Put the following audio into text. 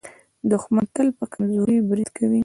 دښمن تل پر کمزوري برید کوي